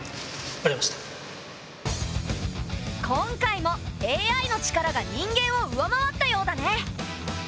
今回もＡＩのチカラが人間を上回ったようだね。